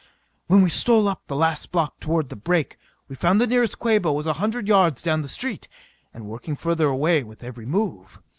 When we stole up the last block toward the break we found the nearest Quabo was a hundred yards down the street and working further away with every move.